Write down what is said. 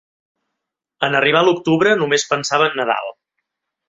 En arribar l'octubre, només pensava en Nadal.